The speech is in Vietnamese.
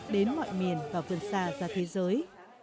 đến mọi miền và vườn xa ra thế giới